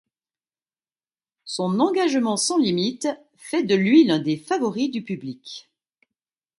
Son engagement sans limite fait de lui l'un des favoris du public.